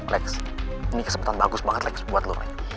lex ini kesempatan bagus banget buat lo lex